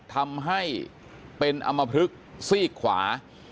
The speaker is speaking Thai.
ทำให้เป็นอมพลึกซีกขวา